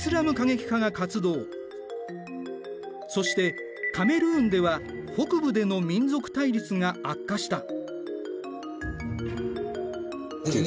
そしてカメルーンでは北部での民族対立が悪化した。